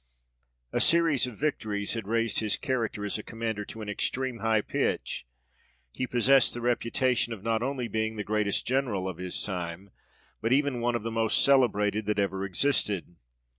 A series of victories had raised his character as a commander to an extreme high pitch ; he possessed the reputation of not only being the greatest General of his time, but even one of the most celebrated that ever existed.